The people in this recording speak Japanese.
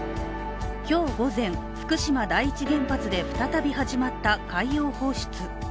今日午前、福島第一原発で再び始まった海洋放出。